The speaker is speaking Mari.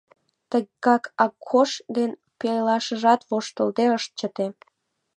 Тыгак Акош ден пелашыжат воштылде ышт чыте.